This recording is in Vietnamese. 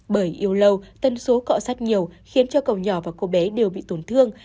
bởi yêu lâu tân số cọ sát nhiều khiến cho cậu nhỏ và cô bé đều bị tổn thương